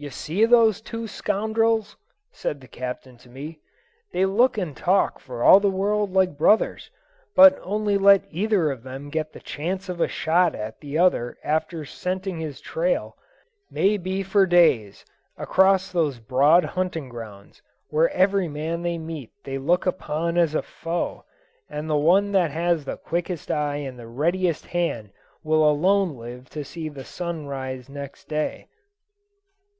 "You see those two scoundrels?" said the Captain to me. "They look and talk for all the world like brothers; but only let either of them get the chance of a shot at the other after scenting his trail, may be for days, across those broad hunting grounds, where every man they meet they look upon as a foe, and the one that has the quickest eye and the readiest hand will alone live to see the sun rise next day."